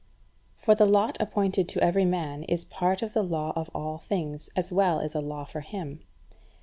For the lot appointed to every man is part of the law of all things as well as a law for him.